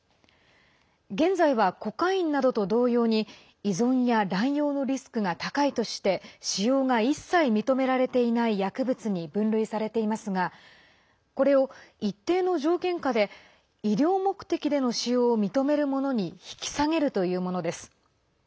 現在は、コカインなどと同様に依存や乱用のリスクが高いとして使用が一切認められていない薬物に分類されていますがこれを一定の条件下で医療目的での使用を認めるものに引き下げるというものです。